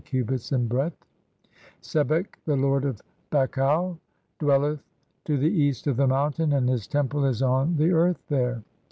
15000 cubits) in breadth; Sebek, the lord of "Bakhau, (4) [dwelleth] to the east of the Mountain, and his temple "is on the earth there.